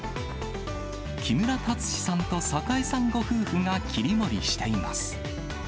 木村達志さんとさかえさんご夫婦が切り盛りしています。